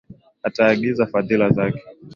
Ataagiza fadhili zake.